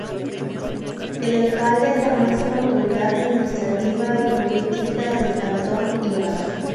El Alcalde es la máxima autoridad administrativa y política del Cantón Ibarra.